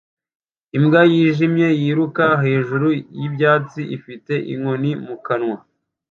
Imbwa yijimye yiruka hejuru yibyatsi ifite inkoni mu kanwa